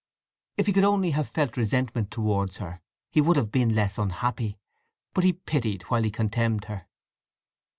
If he could only have felt resentment towards her he would have been less unhappy; but he pitied while he contemned her.